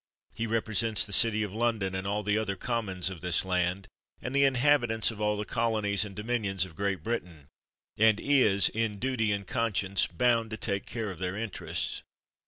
He represents the city of London, and all the other commons of this land, and the inhabitants of all the colonies and do minions of Great Britain; and is, in duty and conscience, bound to take care of their interests.